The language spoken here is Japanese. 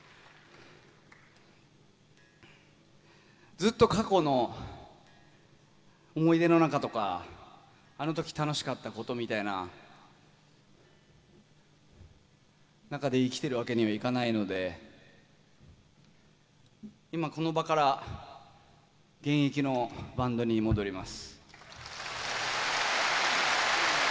ずっと過去の思い出の中とかあの時楽しかったことみたいな中で生きてるわけにはいかないので今この場から現役のバンドに戻ります。